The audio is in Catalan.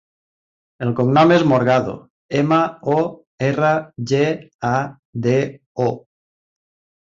El cognom és Morgado: ema, o, erra, ge, a, de, o.